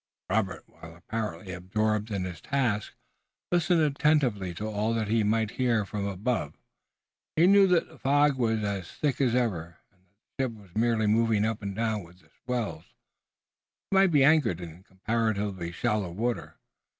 Robert, while apparently absorbed in his tasks, listened attentively to all that he might hear from above He knew that the fog was as thick as ever, and that the ship was merely moving up and down with the swells. She might be anchored in comparatively shallow water.